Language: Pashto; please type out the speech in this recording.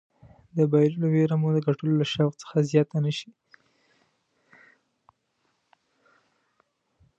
د بایللو ویره مو د ګټلو له شوق څخه زیاته نه شي.